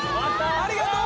ありがとう！